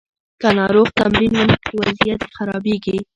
که ناروغ تمرین ونه کړي، وضعیت یې خرابیږي.